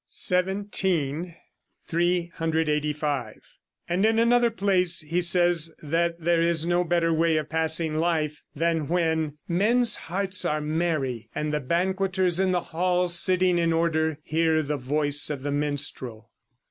xvii, 385); and in another place he says that there is no better way of passing life than when 'Men's hearts are merry, and the banqueters in the hall Sitting in order hear the voice of the minstrel.'"